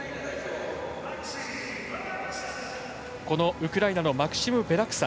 ウクライナのマクシム・ベラクサ。